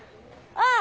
ああ！